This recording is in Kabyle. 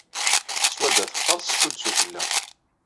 Swadda teqqers, tcudd sufella.